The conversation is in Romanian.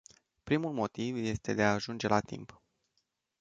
Primul motiv este de a ajunge la timp.